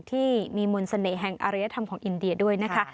ที่มีมนต์เสน่ห์แห่งอารยธรรมของอินเดียด้วยนะคะ